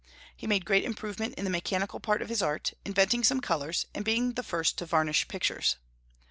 He made great improvement in the mechanical part of his art, inventing some colors, and being the first to varnish pictures.